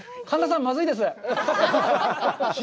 神田さん、まずいです！